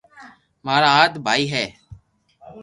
مارا ھات ڀائي ھي